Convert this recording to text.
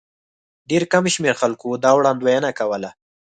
ډېر کم شمېر خلکو دا وړاندوینه کوله.